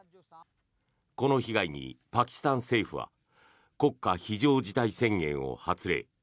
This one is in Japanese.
この被害にパキスタン政府は国家非常事態宣言を発令。